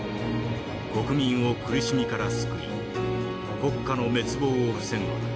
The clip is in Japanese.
国民を苦しみから救い国家の滅亡を防ぐのだ。